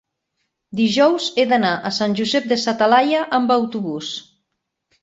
Dijous he d'anar a Sant Josep de sa Talaia amb autobús.